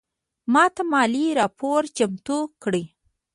ماته مالي راپور چمتو کړه